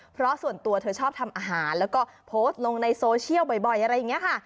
เพราะส่วนตัวเธอชอบทำอาหารแล้วก็โพสต์ลงในโซเชียลบ่อยอะไรอย่างนี้ค่ะ